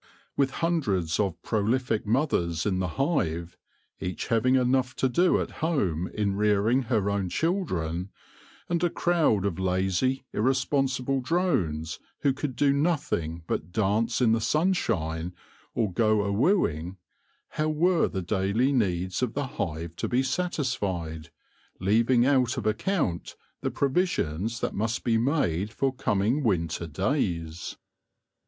With hundreds of prolific mothers in the hive, each having enough to do at home in rearing her own children, and a crowd of lazy, irre sponsible drones who could do nothing but dance in the sunshine or go a wooing, how were the daily needs of the hive to be satisfied, leaving out of account the provisions that must be made for coming winter days